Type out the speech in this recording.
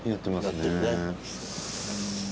やってるね。